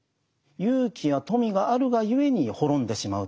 勇気や富があるがゆえに滅んでしまうということもある。